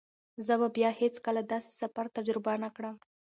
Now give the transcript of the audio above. زه به بیا هیڅکله داسې سفر تجربه نه کړم.